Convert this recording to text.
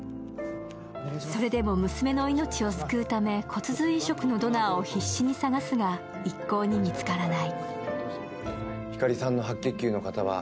それでも娘の命を救うため、骨髄移植のドナーを必死に探すが一向に見つからない。